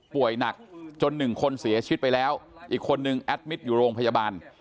หนักจนหนึ่งคนเสียชีวิตไปแล้วอีกคนนึงแอดมิตรอยู่โรงพยาบาล